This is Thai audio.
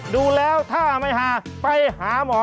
ดูแล้วถ้าไม่หาไปหาหมอ